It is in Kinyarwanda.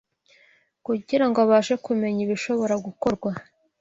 kugirango abashe kumenya ibishobora gukorwa